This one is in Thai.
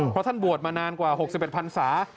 เพราะท่านบวชมานานกว่า๖๑พันศา